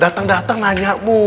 dateng dateng nanya mu